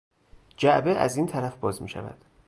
جعبه از این طرف باز میشود.